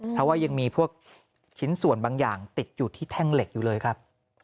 เพราะว่ายังมีพวกชิ้นส่วนบางอย่างติดอยู่ที่แท่งเหล็กอยู่เลยครับ